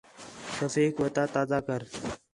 صفحیک وَتا تازہ کر